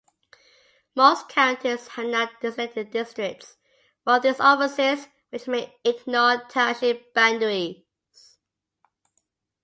Most counties have now designated districts for these offices, which may ignore township boundaries.